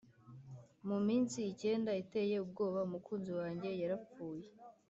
mu munsi icyenda iteye ubwoba umukunzi wanjye yarapfuye;